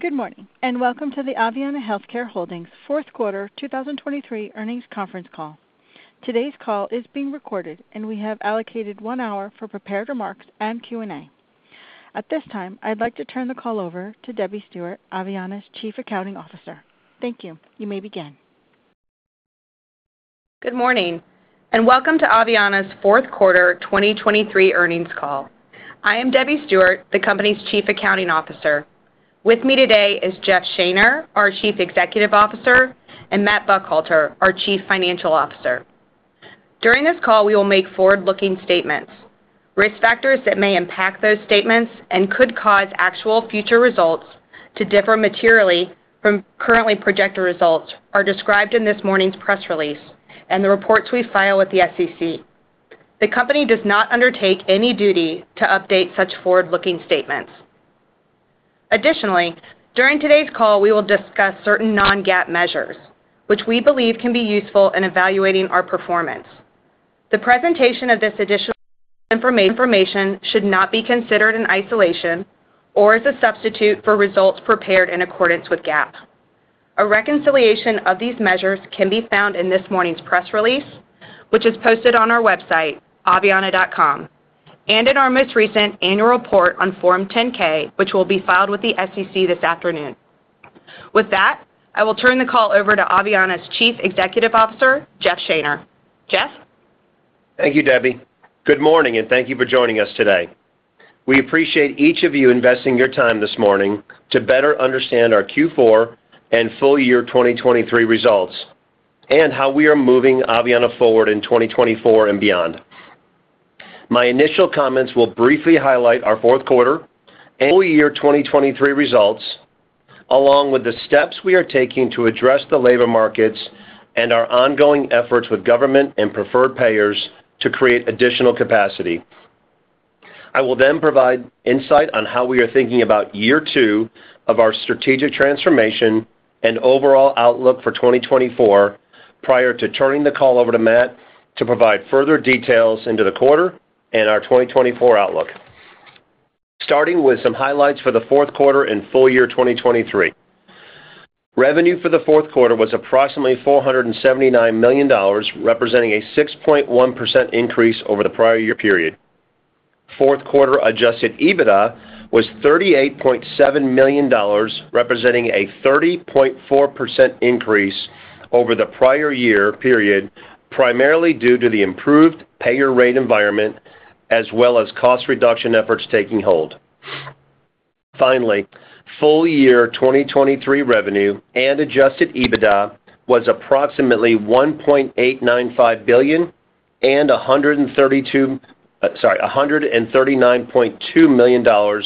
Good morning and welcome to the Aveanna Healthcare Holdings Fourth Quarter 2023 Earnings Conference Call. Today's call is being recorded and we have allocated one hour for prepared remarks and Q&A. At this time I'd like to turn the call over to Debbie Stewart, Aveanna's Chief Accounting Officer. Thank you. You may begin. Good morning and welcome to Aveanna's Fourth Quarter 2023 Earnings Call. I am Debbie Stewart, the company's Chief Accounting Officer. With me today is Jeff Shaner, our Chief Executive Officer, and Matt Buckhalter, our Chief Financial Officer. During this call we will make forward-looking statements. Risk factors that may impact those statements and could cause actual future results to differ materially from currently projected results are described in this morning's press release and the reports we file with the SEC. The company does not undertake any duty to update such forward-looking statements. Additionally, during today's call we will discuss certain non-GAAP measures, which we believe can be useful in evaluating our performance. The presentation of this additional information should not be considered in isolation or as a substitute for results prepared in accordance with GAAP. A reconciliation of these measures can be found in this morning's press release, which is posted on our website, aveanna.com, and in our most recent annual report on Form 10-K, which will be filed with the SEC this afternoon. With that, I will turn the call over to Aveanna's Chief Executive Officer, Jeff Shaner. Jeff? Thank you, Debbie. Good morning and thank you for joining us today. We appreciate each of you investing your time this morning to better understand our Q4 and full year 2023 results and how we are moving Aveanna forward in 2024 and beyond. My initial comments will briefly highlight our fourth quarter and full year 2023 results, along with the steps we are taking to address the labor markets and our ongoing efforts with government and preferred payers to create additional capacity. I will then provide insight on how we are thinking about year two of our strategic transformation and overall outlook for 2024 prior to turning the call over to Matt to provide further details into the quarter and our 2024 outlook. Starting with some highlights for the fourth quarter and full year 2023. Revenue for the fourth quarter was approximately $479 million, representing a 6.1% increase over the prior year period. Fourth quarter adjusted EBITDA was $38.7 million, representing a 30.4% increase over the prior year period, primarily due to the improved payer rate environment as well as cost reduction efforts taking hold. Finally, full year 2023 revenue and adjusted EBITDA was approximately $1.895 billion and $139.2 million,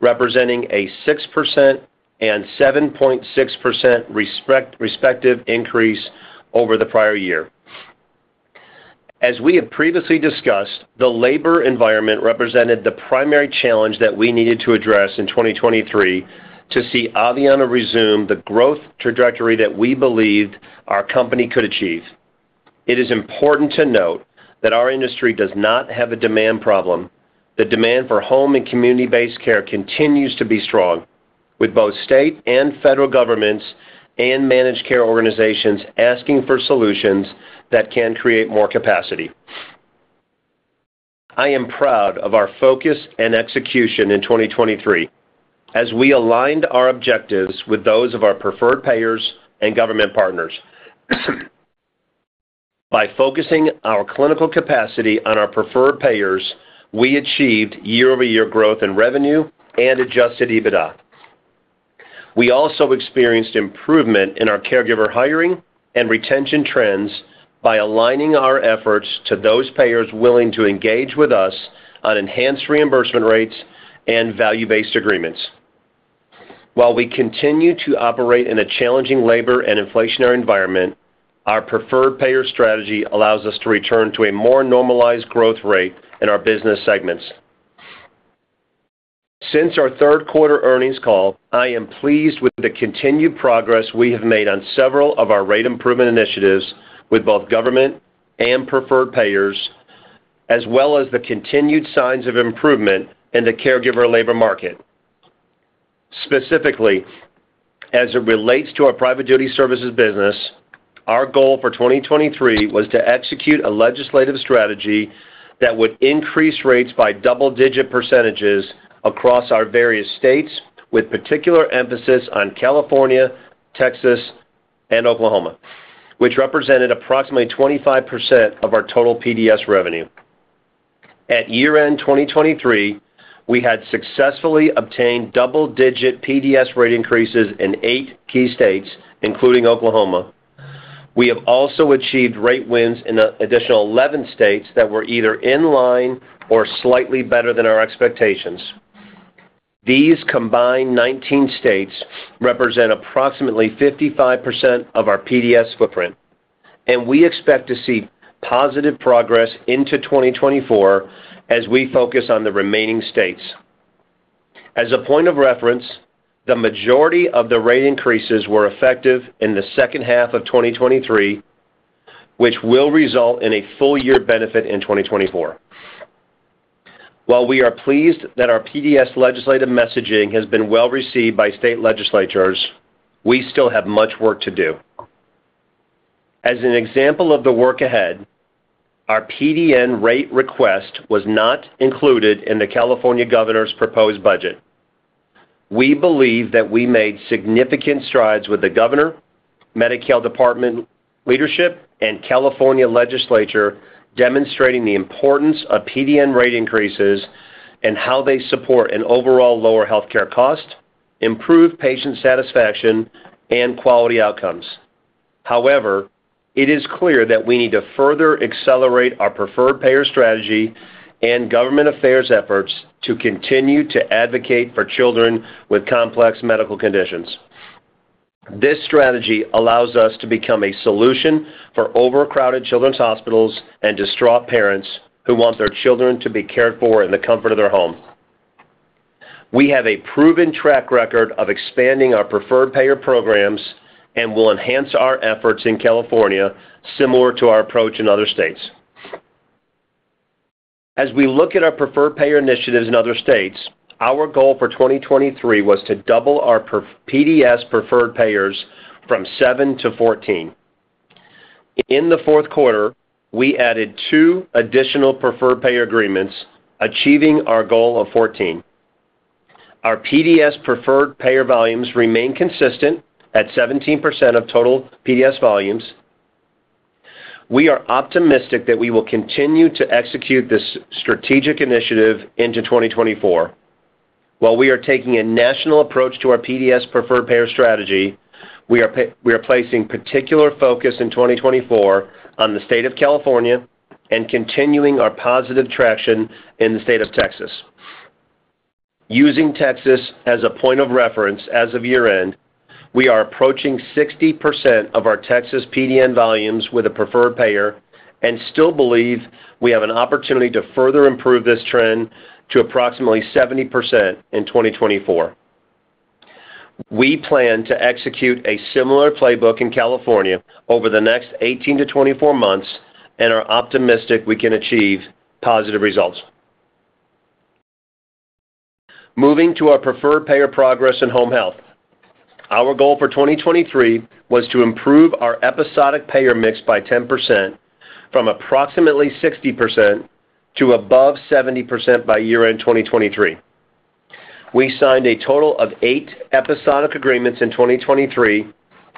representing a 6% and 7.6% respective increase over the prior year. As we have previously discussed, the labor environment represented the primary challenge that we needed to address in 2023 to see Aveanna resume the growth trajectory that we believed our company could achieve. It is important to note that our industry does not have a demand problem. The demand for home and community-based care continues to be strong, with both state and federal governments and managed care organizations asking for solutions that can create more capacity. I am proud of our focus and execution in 2023 as we aligned our objectives with those of our preferred payers and government partners. By focusing our clinical capacity on our preferred payers, we achieved year-over-year growth in revenue and Adjusted EBITDA. We also experienced improvement in our caregiver hiring and retention trends by aligning our efforts to those payers willing to engage with us on enhanced reimbursement rates and value-based agreements. While we continue to operate in a challenging labor and inflationary environment, our preferred payer strategy allows us to return to a more normalized growth rate in our business segments. Since our third quarter earnings call, I am pleased with the continued progress we have made on several of our rate improvement initiatives with both government and preferred payers, as well as the continued signs of improvement in the caregiver labor market. Specifically, as it relates to our Private Duty Services business, our goal for 2023 was to execute a legislative strategy that would increase rates by double-digit percentages across our various states, with particular emphasis on California, Texas, and Oklahoma, which represented approximately 25% of our total PDS revenue. At year-end 2023, we had successfully obtained double-digit PDS rate increases in eight key states, including Oklahoma. We have also achieved rate wins in additional 11 states that were either in line or slightly better than our expectations. These combined 19 states represent approximately 55% of our PDS footprint, and we expect to see positive progress into 2024 as we focus on the remaining states. As a point of reference, the majority of the rate increases were effective in the second half of 2023, which will result in a full-year benefit in 2024. While we are pleased that our PDS legislative messaging has been well received by state legislatures, we still have much work to do. As an example of the work ahead, our PDN rate request was not included in the California Governor's proposed budget. We believe that we made significant strides with the governor, Medi-Cal department leadership, and California legislature demonstrating the importance of PDN rate increases and how they support an overall lower healthcare cost, improve patient satisfaction, and quality outcomes. However, it is clear that we need to further accelerate our preferred payer strategy and government affairs efforts to continue to advocate for children with complex medical conditions. This strategy allows us to become a solution for overcrowded children's hospitals and distraught parents who want their children to be cared for in the comfort of their home. We have a proven track record of expanding our preferred payer programs and will enhance our efforts in California similar to our approach in other states. As we look at our preferred payer initiatives in other states, our goal for 2023 was to double our PDS preferred payers from seven to 14. In the fourth quarter, we added two additional preferred payer agreements, achieving our goal of 14. Our PDS preferred payer volumes remain consistent at 17% of total PDS volumes. We are optimistic that we will continue to execute this strategic initiative into 2024. While we are taking a national approach to our PDS preferred payer strategy, we are placing particular focus in 2024 on the state of California and continuing our positive traction in the state of Texas. Using Texas as a point of reference as of year-end, we are approaching 60% of our Texas PDN volumes with a preferred payer and still believe we have an opportunity to further improve this trend to approximately 70% in 2024. We plan to execute a similar playbook in California over the next 18-24 months and are optimistic we can achieve positive results. Moving to our preferred payer progress in home health, our goal for 2023 was to improve our episodic payer mix by 10% from approximately 60% to above 70% by year-end 2023. We signed a total of eight episodic agreements in 2023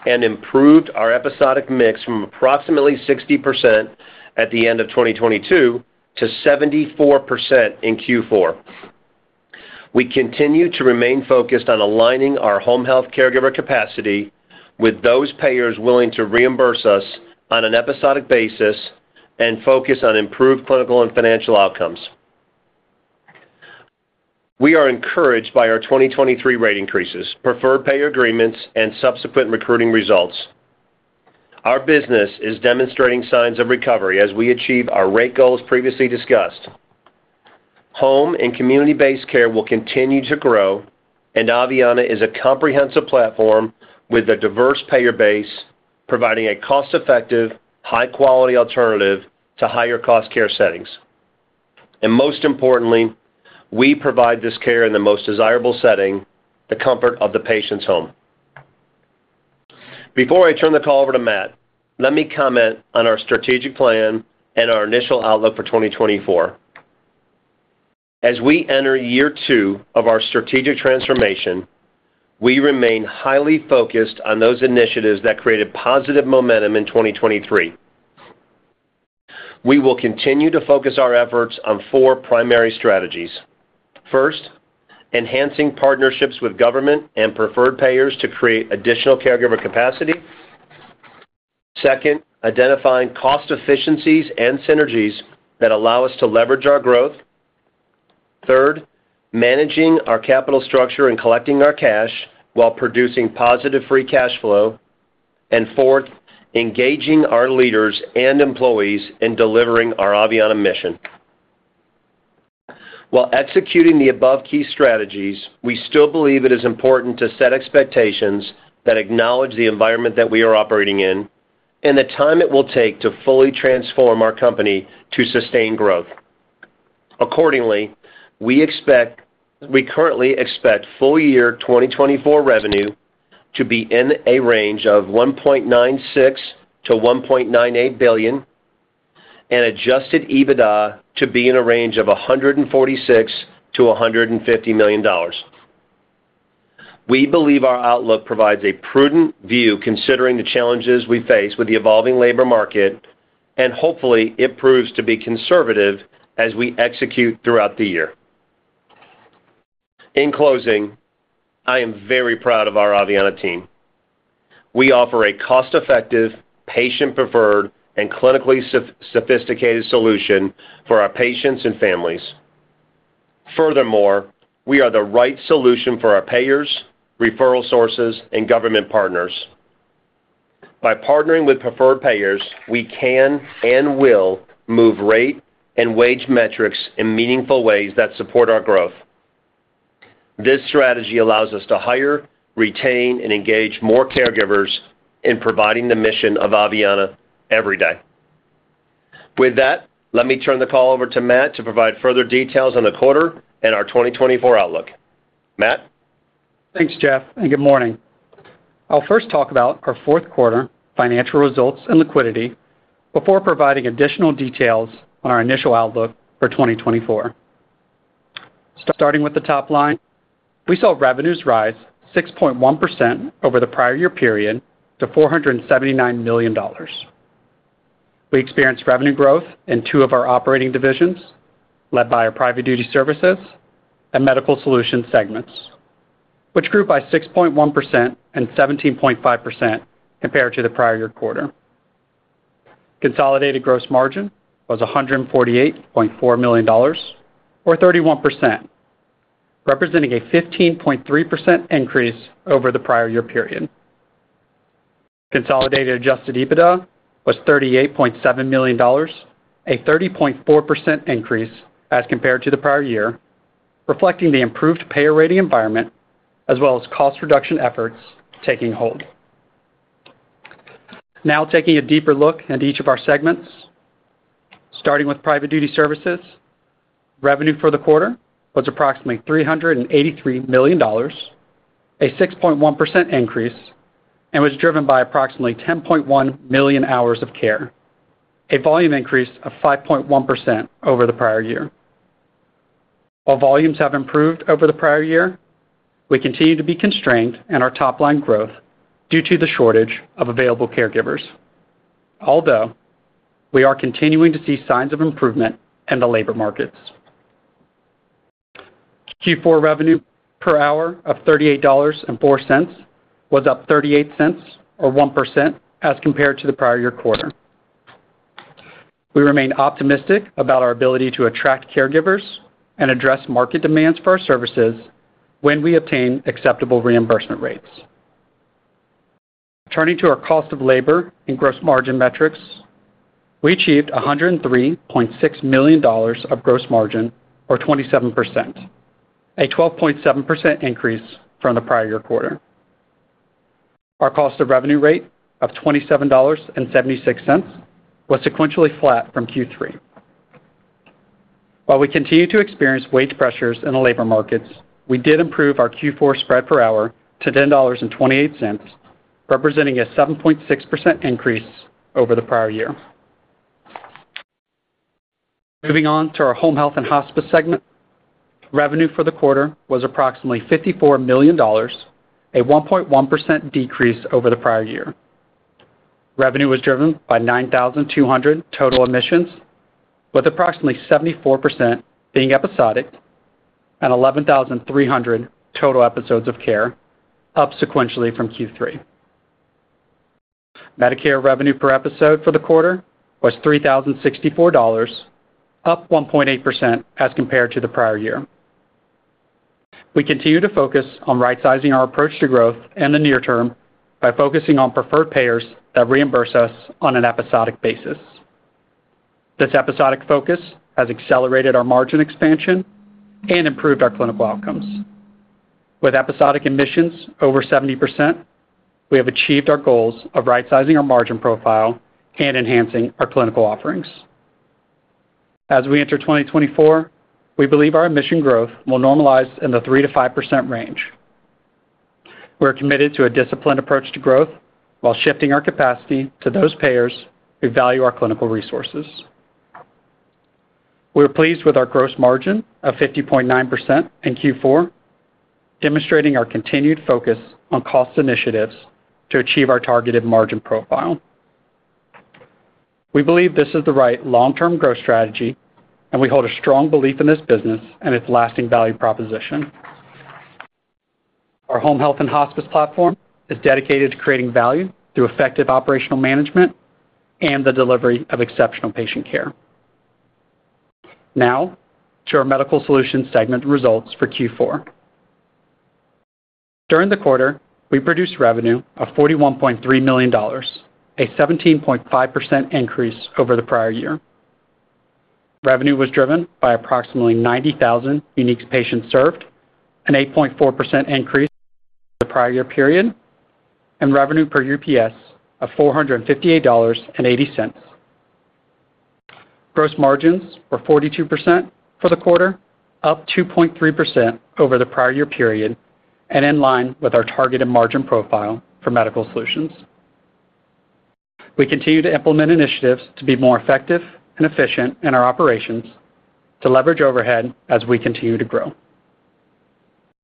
and improved our episodic mix from approximately 60% at the end of 2022 to 74% in Q4. We continue to remain focused on aligning our home health caregiver capacity with those payers willing to reimburse us on an episodic basis and focus on improved clinical and financial outcomes. We are encouraged by our 2023 rate increases, preferred payer agreements, and subsequent recruiting results. Our business is demonstrating signs of recovery as we achieve our rate goals previously discussed. Home and community-based care will continue to grow, and Aveanna is a comprehensive platform with a diverse payer base providing a cost-effective, high-quality alternative to higher-cost care settings. And most importantly, we provide this care in the most desirable setting, the comfort of the patient's home. Before I turn the call over to Matt, let me comment on our strategic plan and our initial outlook for 2024. As we enter year two of our strategic transformation, we remain highly focused on those initiatives that created positive momentum in 2023. We will continue to focus our efforts on four primary strategies. First, enhancing partnerships with government and preferred payers to create additional caregiver capacity. Second, identifying cost efficiencies and synergies that allow us to leverage our growth. Third, managing our capital structure and collecting our cash while producing positive free cash flow. And fourth, engaging our leaders and employees in delivering our Aveanna mission. While executing the above-key strategies, we still believe it is important to set expectations that acknowledge the environment that we are operating in and the time it will take to fully transform our company to sustain growth. Accordingly, we currently expect full year 2024 revenue to be in a range of $1.96 billion-$1.98 billion and Adjusted EBITDA to be in a range of $146 million-$150 million. We believe our outlook provides a prudent view considering the challenges we face with the evolving labor market, and hopefully, it proves to be conservative as we execute throughout the year. In closing, I am very proud of our Aveanna team. We offer a cost-effective, patient-preferred, and clinically sophisticated solution for our patients and families. Furthermore, we are the right solution for our payers, referral sources, and government partners. By partnering with preferred payers, we can and will move rate and wage metrics in meaningful ways that support our growth. This strategy allows us to hire, retain, and engage more caregivers in providing the mission of Aveanna every day. With that, let me turn the call over to Matt to provide further details on the quarter and our 2024 outlook. Matt? Thanks, Jeff, and good morning. I'll first talk about our fourth quarter financial results and liquidity before providing additional details on our initial outlook for 2024. Starting with the top line, we saw revenues rise 6.1% over the prior year period to $479 million. We experienced revenue growth in two of our operating divisions led by our private duty services and medical solutions segments, which grew by 6.1% and 17.5% compared to the prior year quarter. Consolidated gross margin was $148.4 million or 31%, representing a 15.3% increase over the prior year period. Consolidated Adjusted EBITDA was $38.7 million, a 30.4% increase as compared to the prior year, reflecting the improved payer rate environment as well as cost reduction efforts taking hold. Now taking a deeper look at each of our segments, starting with Private Duty Services, revenue for the quarter was approximately $383 million, a 6.1% increase, and was driven by approximately 10.1 million hours of care, a volume increase of 5.1% over the prior year. While volumes have improved over the prior year, we continue to be constrained in our top-line growth due to the shortage of available caregivers, although we are continuing to see signs of improvement in the labor markets. Q4 revenue per hour of $38.04 was up $0.38 or 1% as compared to the prior year quarter. We remain optimistic about our ability to attract caregivers and address market demands for our services when we obtain acceptable reimbursement rates. Turning to our cost of labor and gross margin metrics, we achieved $103.6 million of gross margin or 27%, a 12.7% increase from the prior year quarter. Our cost of revenue rate of $27.76 was sequentially flat from Q3. While we continue to experience wage pressures in the labor markets, we did improve our Q4 spread per hour to $10.28, representing a 7.6% increase over the prior year. Moving on to our Home Health and Hospice segment, revenue for the quarter was approximately $54 million, a 1.1% decrease over the prior year. Revenue was driven by 9,200 total admissions, with approximately 74% being episodic and 11,300 total episodes of care, up sequentially from Q3. Medicare revenue per episode for the quarter was $3,064, up 1.8% as compared to the prior year. We continue to focus on right-sizing our approach to growth in the near term by focusing on preferred payers that reimburse us on an episodic basis. This episodic focus has accelerated our margin expansion and improved our clinical outcomes. With episodic admissions over 70%, we have achieved our goals of right-sizing our margin profile and enhancing our clinical offerings. As we enter 2024, we believe our admission growth will normalize in the 3%-5% range. We are committed to a disciplined approach to growth while shifting our capacity to those payers who value our clinical resources. We are pleased with our gross margin of 50.9% in Q4, demonstrating our continued focus on cost initiatives to achieve our targeted margin profile. We believe this is the right long-term growth strategy, and we hold a strong belief in this business and its lasting value proposition. Our Home Health and Hospice platform is dedicated to creating value through effective operational management and the delivery of exceptional patient care. Now to our Medical Solutions segment results for Q4. During the quarter, we produced revenue of $41.3 million, a 17.5% increase over the prior year. Revenue was driven by approximately 90,000 unique patients served, an 8.4% increase over the prior year period, and revenue per UPS of $458.80. Gross margins were 42% for the quarter, up 2.3% over the prior year period, and in line with our targeted margin profile for Medical Solutions. We continue to implement initiatives to be more effective and efficient in our operations to leverage overhead as we continue to grow.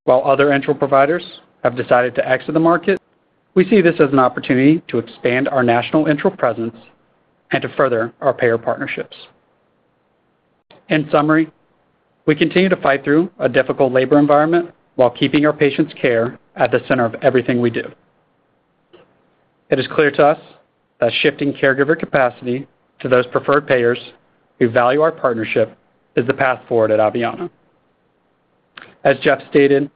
While other enteral providers have decided to exit the market, we see this as an opportunity to expand our national enteral presence and to further our payer partnerships. In summary, we continue to fight through a difficult labor environment while keeping our patients' care at the center of everything we do. It is clear to us that shifting caregiver capacity to those preferred payers who value our partnership is the path forward at Aveanna. As Jeff stated,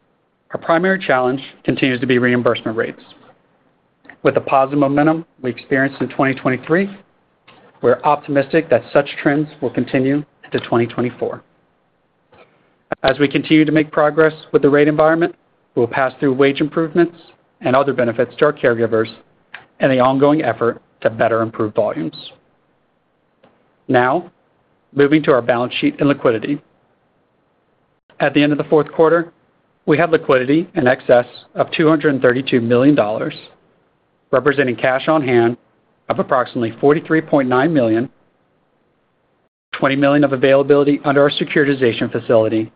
our primary challenge continues to be reimbursement rates. With the positive momentum we experienced in 2023, we are optimistic that such trends will continue into 2024. As we continue to make progress with the rate environment, we will pass through wage improvements and other benefits to our caregivers and the ongoing effort to better improve volumes. Now moving to our balance sheet and liquidity. At the end of the fourth quarter, we had liquidity in excess of $232 million, representing cash on hand of approximately $43.9 million, $20 million of availability under our securitization facility,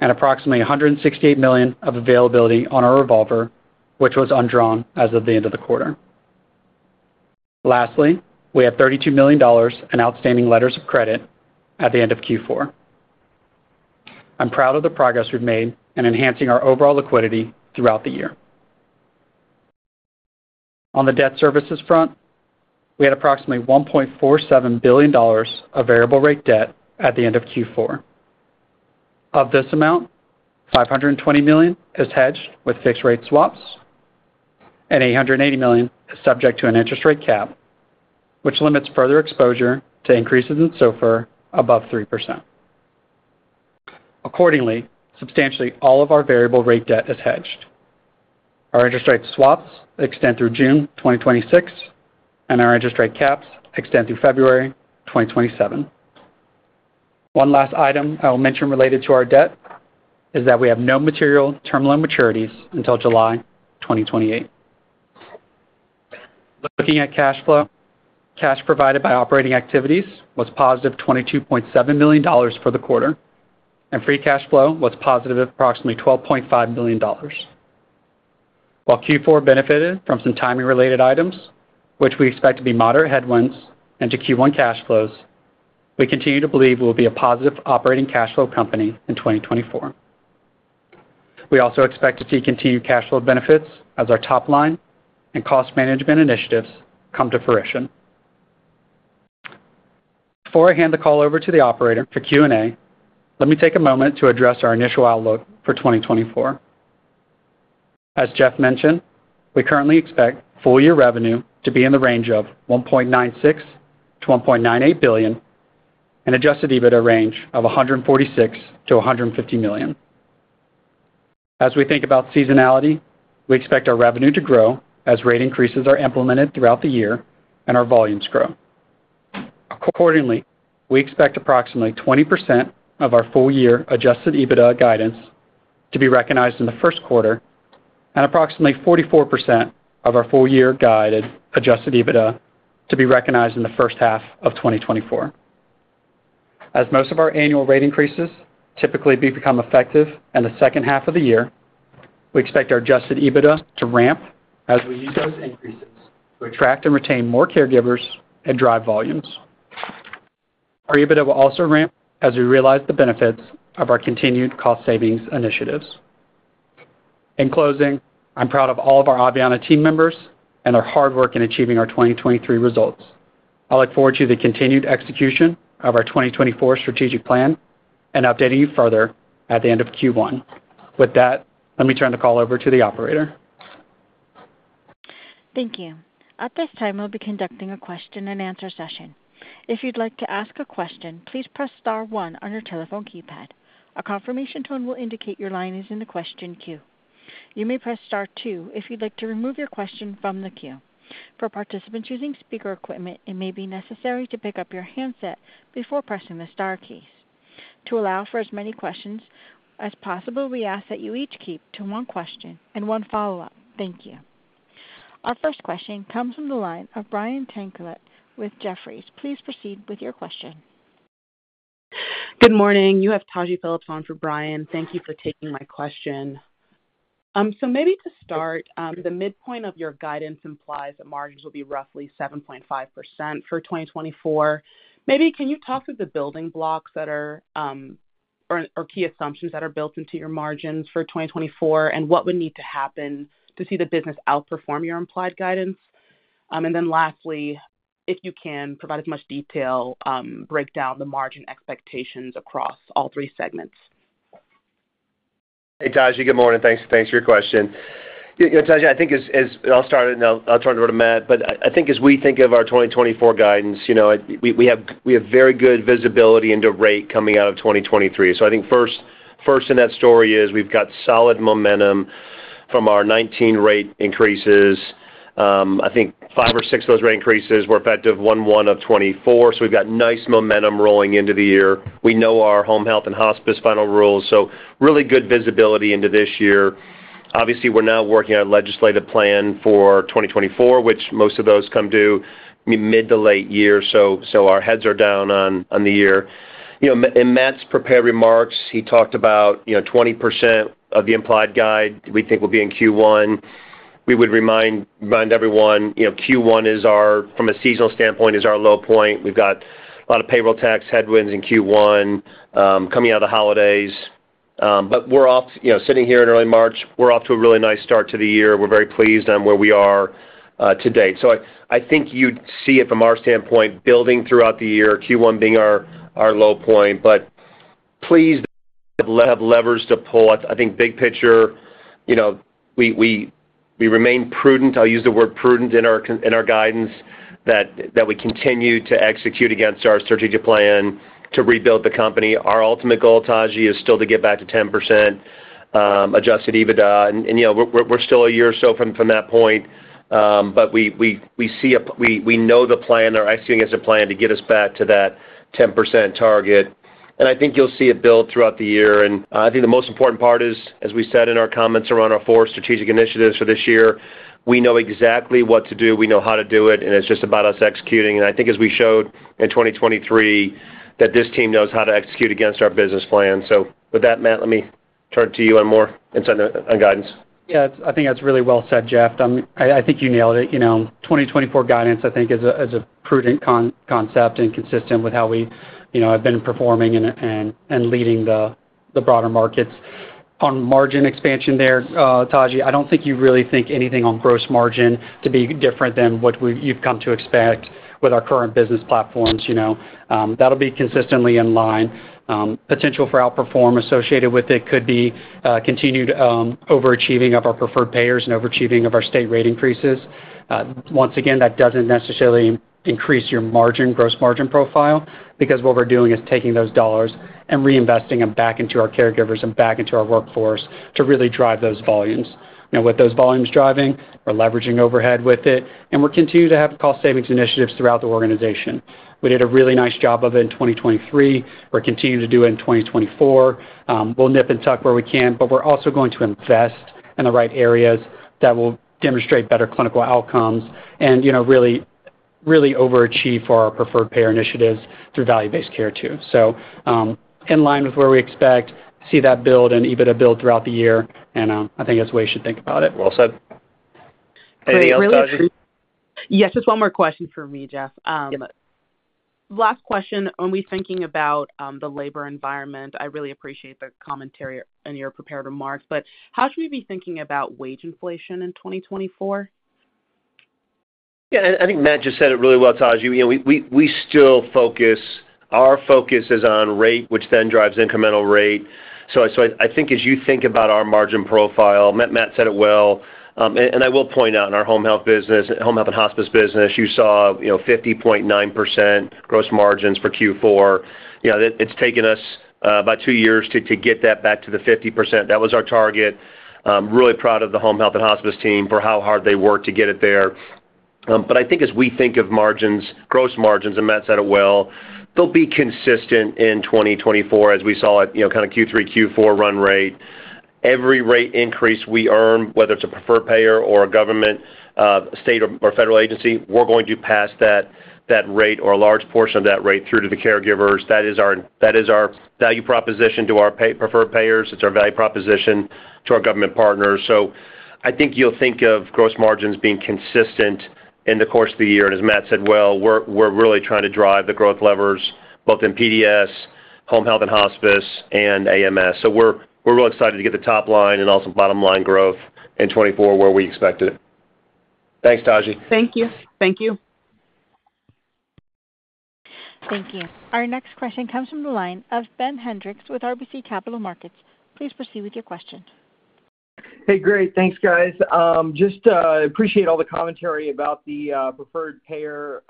and approximately $168 million of availability on our revolver, which was undrawn as of the end of the quarter. Lastly, we have $32 million in outstanding letters of credit at the end of Q4. I'm proud of the progress we've made in enhancing our overall liquidity throughout the year. On the debt services front, we had approximately $1.47 billion of variable-rate debt at the end of Q4. Of this amount, $520 million is hedged with fixed-rate swaps, and $880 million is subject to an interest-rate cap, which limits further exposure to increases in SOFR above 3%. Accordingly, substantially all of our variable-rate debt is hedged. Our interest-rate swaps extend through June 2026, and our interest-rate caps extend through February 2027. One last item I will mention related to our debt is that we have no material terminal maturities until July 2028. Looking at cash flow, cash provided by operating activities was positive $22.7 million for the quarter, and free cash flow was positive at approximately $12.5 million. While Q4 benefited from some timing-related items, which we expect to be moderate headwinds into Q1 cash flows, we continue to believe we will be a positive operating cash flow company in 2024. We also expect to see continued cash flow benefits as our top-line and cost management initiatives come to fruition. Before I hand the call over to the operator for Q&A, let me take a moment to address our initial outlook for 2024. As Jeff mentioned, we currently expect full year revenue to be in the range of $1.96 billion-$1.98 billion and Adjusted EBITDA range of $146 million-$150 million. As we think about seasonality, we expect our revenue to grow as rate increases are implemented throughout the year and our volumes grow. Accordingly, we expect approximately 20% of our full year Adjusted EBITDA guidance to be recognized in the first quarter and approximately 44% of our full year guided Adjusted EBITDA to be recognized in the first half of 2024. As most of our annual rate increases typically become effective in the second half of the year, we expect our Adjusted EBITDA to ramp as we use those increases to attract and retain more caregivers and drive volumes. Our EBITDA will also ramp as we realize the benefits of our continued cost-savings initiatives. In closing, I'm proud of all of our Aveanna team members and their hard work in achieving our 2023 results. I look forward to the continued execution of our 2024 strategic plan and updating you further at the end of Q1. With that, let me turn the call over to the operator. Thank you. At this time, we'll be conducting a question-and-answer session. If you'd like to ask a question, please press star one on your telephone keypad. A confirmation tone will indicate your line is in the question queue. You may press star two if you'd like to remove your question from the queue. For participants using speaker equipment, it may be necessary to pick up your handset before pressing the star keys. To allow for as many questions as possible, we ask that you each keep to one question and one follow-up. Thank you. Our first question comes from the line of Brian Tanquilut with Jefferies. Please proceed with your question. Good morning. You have Taji Phillips on for Brian. Thank you for taking my question. So maybe to start, the midpoint of your guidance implies that margins will be roughly 7.5% for 2024. Maybe can you talk through the building blocks or key assumptions that are built into your margins for 2024 and what would need to happen to see the business outperform your implied guidance? And then lastly, if you can, provide as much detail breakdown the margin expectations across all three segments. Hey, Taji. Good morning. Thanks for your question. Taji, I think as I'll start it, and I'll turn it over to Matt, but I think as we think of our 2024 guidance, we have very good visibility into rate coming out of 2023. So I think first in that story is we've got solid momentum from our 19 rate increases. I think five or six of those rate increases were effective January 1, 2024. So we've got nice momentum rolling into the year. We know our Home Health and Hospice final rules. So really good visibility into this year. Obviously, we're now working on a legislative plan for 2024, which most of those come due mid to late year. So our heads are down on the year. In Matt's prepared remarks, he talked about 20% of the implied guide we think will be in Q1. We would remind everyone Q1, from a seasonal standpoint, is our low point. We've got a lot of payroll tax headwinds in Q1 coming out of the holidays. But sitting here in early March, we're off to a really nice start to the year. We're very pleased on where we are to date. So I think you'd see it from our standpoint building throughout the year, Q1 being our low point. But please have levers to pull. I think big picture, we remain prudent - I'll use the word prudent - in our guidance that we continue to execute against our strategic plan to rebuild the company. Our ultimate goal, Taji, is still to get back to 10% Adjusted EBITDA. And we're still a year or so from that point. But we know the plan, or executing as a plan, to get us back to that 10% target. And I think you'll see it build throughout the year. And I think the most important part is, as we said in our comments around our four strategic initiatives for this year, we know exactly what to do. We know how to do it. And it's just about us executing. And I think, as we showed in 2023, that this team knows how to execute against our business plan. So with that, Matt, let me turn to you on more insight on guidance. Yeah. I think that's really well said, Jeff. I think you nailed it. 2024 guidance, I think, is a prudent concept and consistent with how we have been performing and leading the broader markets. On margin expansion there, Taji, I don't think you really think anything on gross margin to be different than what you've come to expect with our current business platforms. That'll be consistently in line. Potential for outperform associated with it could be continued overachieving of our preferred payers and overachieving of our state rate increases. Once again, that doesn't necessarily increase your gross margin profile because what we're doing is taking those dollars and reinvesting them back into our caregivers and back into our workforce to really drive those volumes. With those volumes driving, we're leveraging overhead with it. And we're continuing to have cost-savings initiatives throughout the organization. We did a really nice job of it in 2023. We're continuing to do it in 2024. We'll nip and tuck where we can. But we're also going to invest in the right areas that will demonstrate better clinical outcomes and really overachieve for our preferred payer initiatives through value-based care too. So in line with where we expect, see that build and EBITDA build throughout the year. And I think that's the way you should think about it. Well said. Any other, Taji? Yes. Just one more question for me, Jeff. Last question, when we're thinking about the labor environment, I really appreciate the commentary and your prepared remarks. But how should we be thinking about wage inflation in 2024? Yeah. I think Matt just said it really well, Taji. Our focus is on rate, which then drives incremental rate. So I think as you think about our margin profile Matt said it well. And I will point out, in our home health and hospice business, you saw 50.9% gross margins for Q4. It's taken us about two years to get that back to the 50%. That was our target. Really proud of the home health and hospice team for how hard they worked to get it there. But I think as we think of gross margins and Matt said it well, they'll be consistent in 2024 as we saw at kind of Q3, Q4 run rate. Every rate increase we earn, whether it's a preferred payer or a government, state, or federal agency, we're going to pass that rate or a large portion of that rate through to the caregivers. That is our value proposition to our preferred payers. It's our value proposition to our government partners. So I think you'll think of gross margins being consistent in the course of the year. And as Matt said well, we're really trying to drive the growth levers both in PDS, home health and hospice, and AMS. So we're really excited to get the top line and also bottom line growth in 2024 where we expect it. Thanks, Taji. Thank you. Thank you. Thank you. Our next question comes from the line of Ben Hendrix with RBC Capital Markets. Please proceed with your question. Hey, great. Thanks, guys. Just appreciate all the commentary about the preferred payer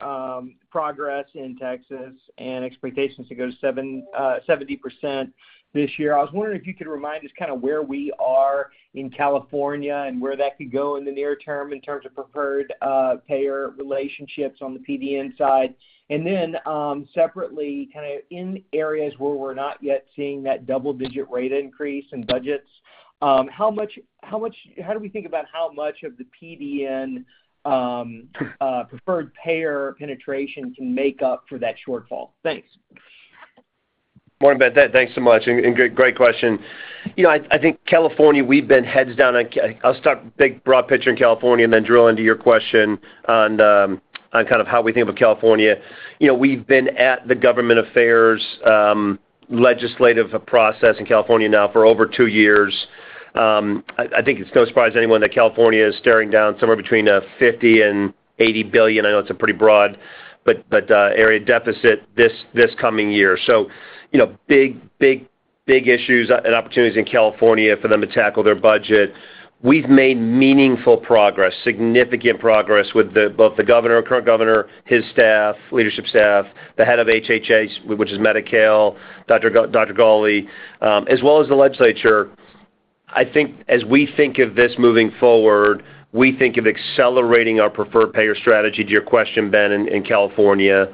progress in Texas and expectations to go to 70% this year. I was wondering if you could remind us kind of where we are in California and where that could go in the near term in terms of preferred payer relationships on the PDN side. And then separately, kind of in areas where we're not yet seeing that double-digit rate increase in budgets, how do we think about how much of the PDN preferred payer penetration can make up for that shortfall? Thanks. Morning, Ben. Thanks so much. And great question. I think California, we've been heads down on. I'll start big, broad picture in California and then drill into your question on kind of how we think about California. We've been at the government affairs legislative process in California now for over two years. I think it's no surprise to anyone that California is staring down somewhere between $50 billion-$80 billion—I know it's a pretty broad area—deficit this coming year. So big, big, big issues and opportunities in California for them to tackle their budget. We've made meaningful progress, significant progress with both the current governor, his staff, leadership staff, the head of HHS, which is Medi-Cal, Dr. Ghaly, as well as the legislature. I think as we think of this moving forward, we think of accelerating our preferred payer strategy to your question, Ben, in California.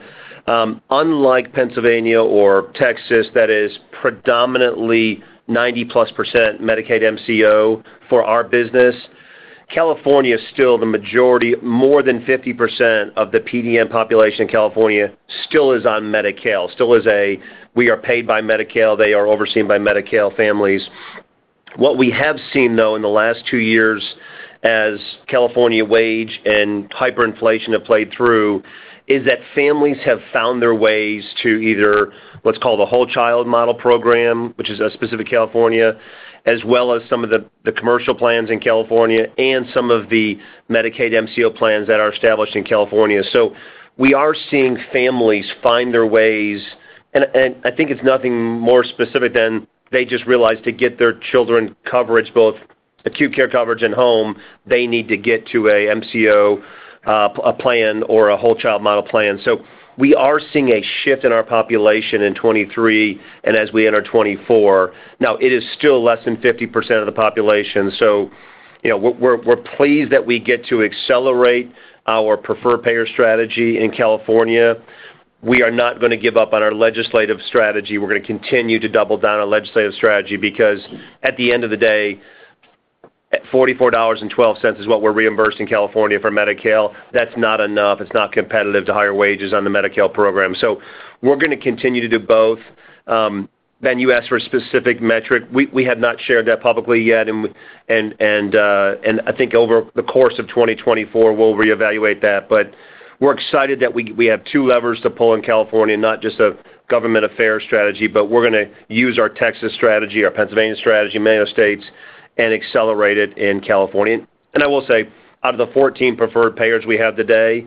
Unlike Pennsylvania or Texas, that is predominantly +90% Medicaid MCO for our business, California still the majority, more than 50% of the PDN population in California still is on Medi-Cal, still is a, "We are paid by Medi-Cal. They are overseen by Medi-Cal," families. What we have seen, though, in the last two years as California wage and hyperinflation have played through is that families have found their ways to either what's called the Whole Child Model Program, which is a specific California, as well as some of the commercial plans in California and some of the Medicaid MCO plans that are established in California. So we are seeing families find their ways. And I think it's nothing more specific than they just realized to get their children coverage, both acute care coverage and home, they need to get to an MCO plan or a Whole Child Model Plan. So we are seeing a shift in our population in 2023 and as we enter 2024. Now, it is still less than 50% of the population. So we're pleased that we get to accelerate our preferred payer strategy in California. We are not going to give up on our legislative strategy. We're going to continue to double down our legislative strategy because at the end of the day, $44.12 is what we're reimbursed in California for Medi-Cal. That's not enough. It's not competitive to higher wages on the Medi-Cal program. So we're going to continue to do both. Ben, you asked for a specific metric. We have not shared that publicly yet. And I think over the course of 2024, we'll reevaluate that. But we're excited that we have two levers to pull in California, not just a government affairs strategy. But we're going to use our Texas strategy, our Pennsylvania strategy, many other states, and accelerate it in California. And I will say, out of the 14 preferred payers we have today,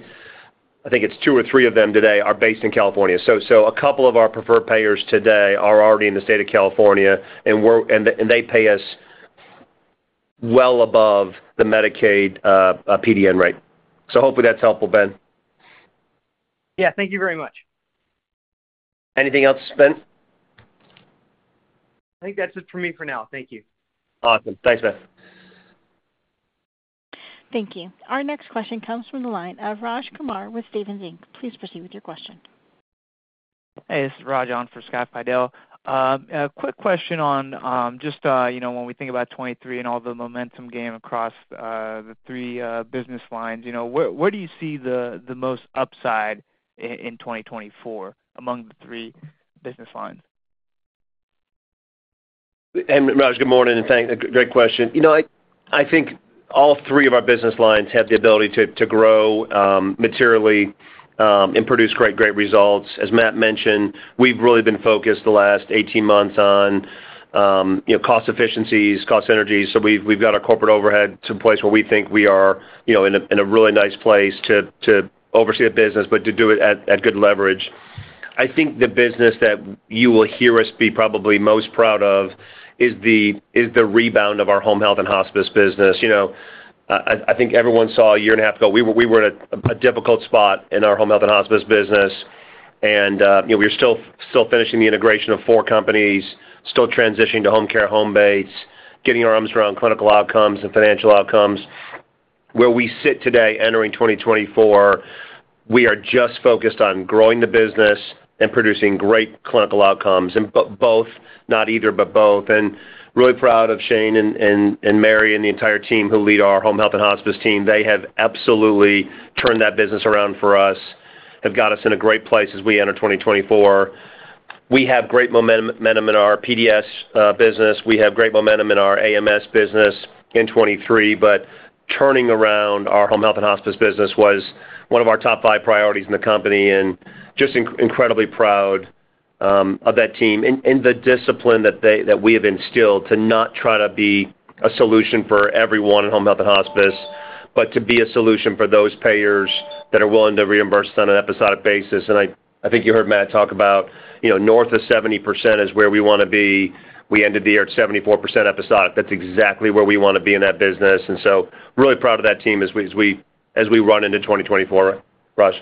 I think it's two or three of them today are based in California. So a couple of our preferred payers today are already in the state of California. And they pay us well above the Medicaid PDN rate. So hopefully, that's helpful, Ben. Yeah. Thank you very much. Anything else, Ben? I think that's it for me for now. Thank you. Awesome. Thanks, Ben. Thank you. Our next question comes from the line of Raj Kumar with Stephens Inc. Please proceed with your question. Hey. This is Raj on for Scott Fidel. A quick question on just when we think about 2023 and all the momentum game across the three business lines, where do you see the most upside in 2024 among the three business lines? Raj, good morning. Great question. I think all three of our business lines have the ability to grow materially and produce great, great results. As Matt mentioned, we've really been focused the last 18 months on cost efficiencies, cost synergies. So we've got our corporate overhead to a place where we think we are in a really nice place to oversee the business but to do it at good leverage. I think the business that you will hear us be probably most proud of is the rebound of our home health and hospice business. I think everyone saw a year and a half ago, we were at a difficult spot in our home health and hospice business. We're still finishing the integration of four companies, still transitioning to Homecare Homebase, getting our arms around clinical outcomes and financial outcomes. Where we sit today entering 2024, we are just focused on growing the business and producing great clinical outcomes, but both, not either, but both. Really proud of Shane and Mary and the entire team who lead our home health and hospice team. They have absolutely turned that business around for us, have got us in a great place as we enter 2024. We have great momentum in our PDS business. We have great momentum in our AMS business in 2023. But turning around our home health and hospice business was one of our top five priorities in the company. Just incredibly proud of that team and the discipline that we have instilled to not try to be a solution for everyone in home health and hospice but to be a solution for those payers that are willing to reimburse us on an episodic basis. I think you heard Matt talk about north of 70% is where we want to be. We ended the year at 74% episodic. That's exactly where we want to be in that business. And so really proud of that team as we run into 2024, Raj.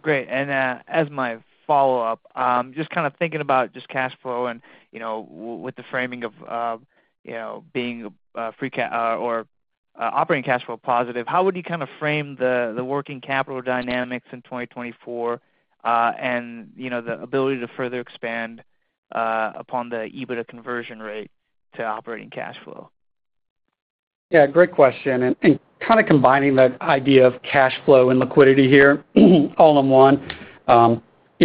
Great. As my follow-up, just kind of thinking about just cash flow and with the framing of being free or operating cash flow positive, how would you kind of frame the working capital dynamics in 2024 and the ability to further expand upon the EBITDA conversion rate to operating cash flow? Yeah. Great question. And kind of combining that idea of cash flow and liquidity here all in one,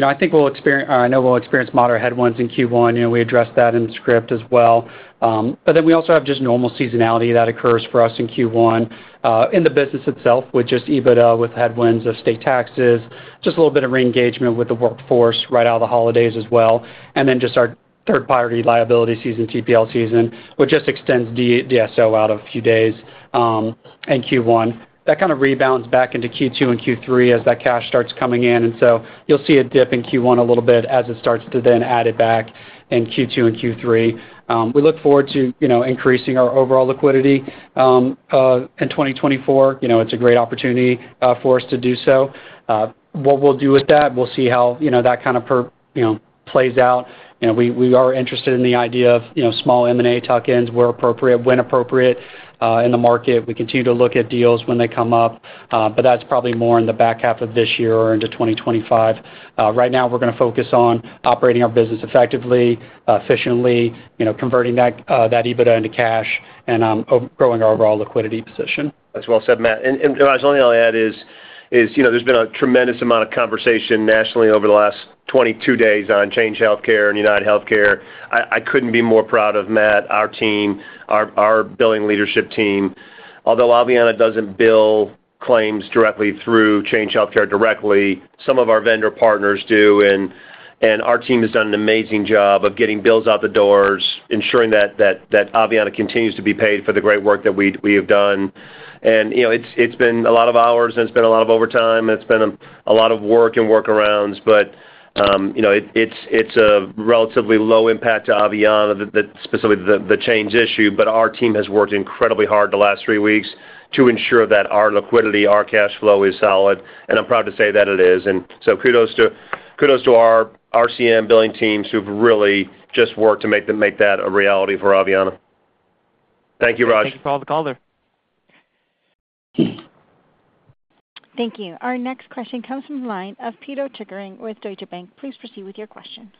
I think we'll experience or I know we'll experience moderate headwinds in Q1. We addressed that in the script as well. But then we also have just normal seasonality that occurs for us in Q1 in the business itself with just EBITDA with headwinds of state taxes, just a little bit of reengagement with the workforce right out of the holidays as well. And then just our Third Party Liability season, TPL season, which just extends DSO out a few days in Q1. That kind of rebounds back into Q2 and Q3 as that cash starts coming in. And so you'll see a dip in Q1 a little bit as it starts to then add it back in Q2 and Q3. We look forward to increasing our overall liquidity in 2024. It's a great opportunity for us to do so. What we'll do with that, we'll see how that kind of plays out. We are interested in the idea of small M&A tuck-ins, where appropriate, when appropriate in the market. We continue to look at deals when they come up. But that's probably more in the back half of this year or into 2025. Right now, we're going to focus on operating our business effectively, efficiently, converting that EBITDA into cash, and growing our overall liquidity position. That's well said, Matt. And Raj, the only thing I'll add is there's been a tremendous amount of conversation nationally over the last 22 days on Change Healthcare and UnitedHealthcare. I couldn't be more proud of Matt, our team, our billing leadership team. Although Aveanna doesn't bill claims directly through Change Healthcare directly, some of our vendor partners do. And our team has done an amazing job of getting bills out the doors, ensuring that Aveanna continues to be paid for the great work that we have done. And it's been a lot of hours. And it's been a lot of overtime. And it's been a lot of work and workarounds. But it's a relatively low impact to Aveanna, specifically the Change issue. But our team has worked incredibly hard the last three weeks to ensure that our liquidity, our cash flow is solid. I'm proud to say that it is. Kudos to our RCM billing teams who've really just worked to make that a reality for Aveanna. Thank you, Raj. Thank you for all the color. Thank you. Our next question comes from the line of Pito Chickering with Deutsche Bank. Please proceed with your question.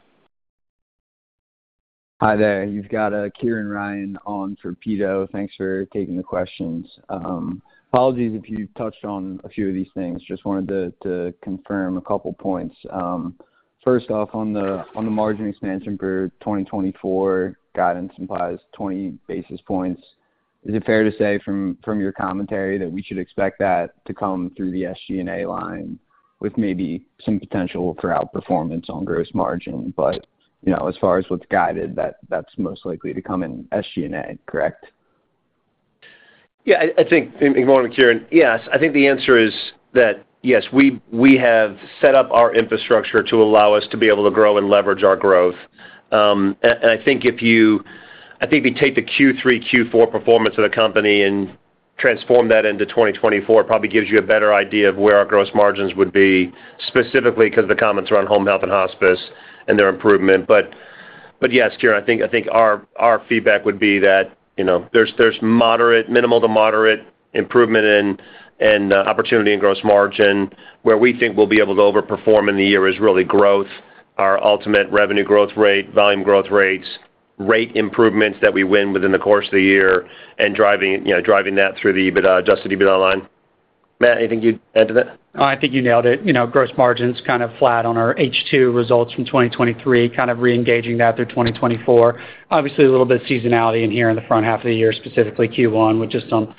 Hi there. You've got Kieran Ryan on for Pito. Thanks for taking the questions. Apologies if you touched on a few of these things. Just wanted to confirm a couple of points. First off, on the margin expansion for 2024, guidance implies 20 basis points. Is it fair to say from your commentary that we should expect that to come through the SG&A line with maybe some potential for outperformance on gross margin? But as far as what's guided, that's most likely to come in SG&A, correct? Yeah. Good morning, Kieran. Yes. I think the answer is that, yes, we have set up our infrastructure to allow us to be able to grow and leverage our growth. And I think if you take the Q3, Q4 performance of the company and transform that into 2024, it probably gives you a better idea of where our gross margins would be, specifically because of the comments around home health and hospice and their improvement. But yes, Kieran, I think our feedback would be that there's minimal to moderate improvement in opportunity and gross margin. Where we think we'll be able to overperform in the year is really growth, our ultimate revenue growth rate, volume growth rates, rate improvements that we win within the course of the year, and driving that through the adjusted EBITDA line. Matt, anything you'd add to that? Oh, I think you nailed it. Gross margins kind of flat on our H2 results from 2023, kind of reengaging that through 2024. Obviously, a little bit of seasonality in here in the front half of the year, specifically Q1, with just some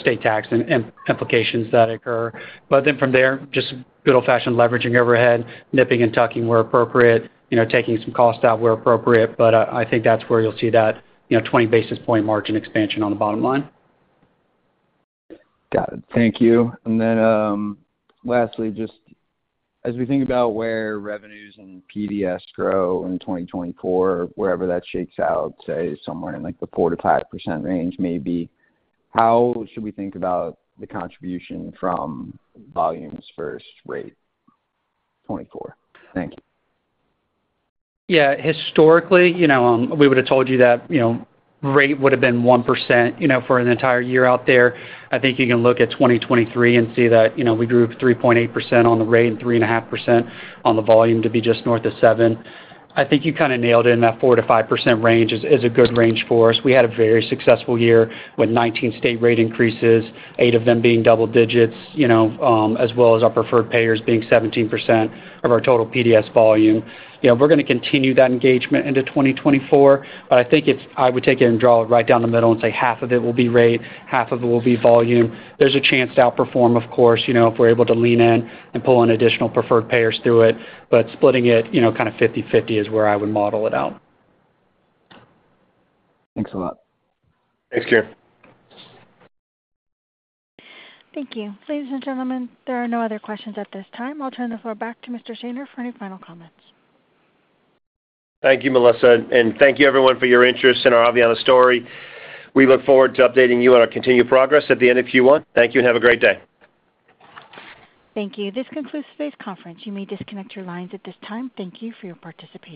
state tax implications that occur. But then from there, just good old-fashioned leveraging overhead, nipping and tucking where appropriate, taking some cost out where appropriate. But I think that's where you'll see that 20 basis point margin expansion on the bottom line. Got it. Thank you. And then lastly, just as we think about where revenues and PDS grow in 2024, wherever that shakes out, say somewhere in the 4%-5% range maybe, how should we think about the contribution from volumes-first rate 2024? Thank you. Yeah. Historically, we would have told you that rate would have been 1% for an entire year out there. I think you can look at 2023 and see that we grew 3.8% on the rate and 3.5% on the volume to be just north of 7%. I think you kind of nailed it in that 4%-5% range is a good range for us. We had a very successful year with 19 state rate increases, eight of them being double-digits, as well as our preferred payers being 17% of our total PDS volume. We're going to continue that engagement into 2024. But I think I would take it and draw it right down the middle and say half of it will be rate, half of it will be volume. There's a chance to outperform, of course, if we're able to lean in and pull in additional preferred payers through it. But splitting it kind of 50/50 is where I would model it out. Thanks a lot. Thanks, Kieran. Thank you. Ladies and gentlemen, there are no other questions at this time. I'll turn the floor back to Mr. Shaner for any final comments. Thank you, Melissa. Thank you, everyone, for your interest in our Aveanna story. We look forward to updating you on our continued progress at the end of Q1. Thank you and have a great day. Thank you. This concludes today's conference. You may disconnect your lines at this time. Thank you for your participation.